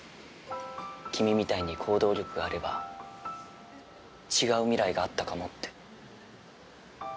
君みたいに行動力があれば違う未来があったかもって。